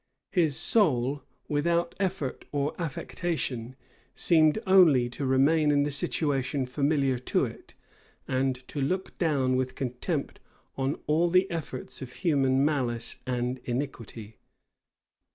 His soul, without effort or affectation, seemed only to remain in the situation familiar to it, and to look down with contempt on all the efforts of human malice and iniquity.